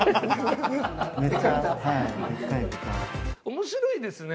面白いですね。